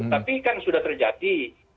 tapi kan sudah terjadi